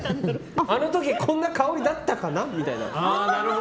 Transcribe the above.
あの時、こんな香りだったかなみたいな。